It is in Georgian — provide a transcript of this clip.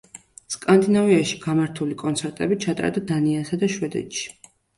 სკანდინავიაში გამართული კონცერტები ჩატარდა დანიასა და შვედეთში.